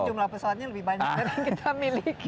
jumlah pesawatnya lebih banyak dari yang kita miliki